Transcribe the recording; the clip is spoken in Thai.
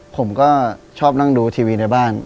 ผมก็ชอบนั่งดูทีวีในบ้าน